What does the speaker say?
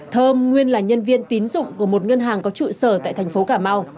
thơm nguyên là nhân viên tín dụng của một ngân hàng có trụ sở tại tp cà mau